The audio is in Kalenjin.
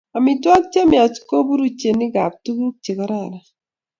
Amitwogik chemiach ko puruchenikap tuguk che kararan